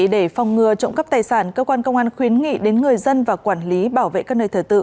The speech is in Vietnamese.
để phòng ngừa trộm cắp tài sản cơ quan công an khuyến nghị đến người dân và quản lý bảo vệ các nơi thờ tự